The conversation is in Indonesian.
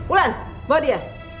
ulan bawa dia